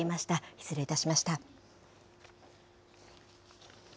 失礼いたしました。